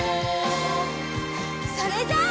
それじゃあ。